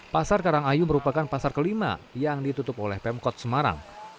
pasar karangayu merupakan pasar kelima yang ditutup oleh pemkot semarang